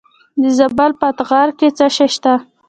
د زابل په اتغر کې څه شی شته؟